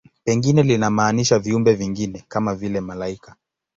Pengine linamaanisha viumbe vingine, kama vile malaika.